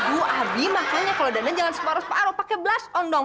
aduh abi makanya kalo dandan jangan separuh separuh pake blast on dong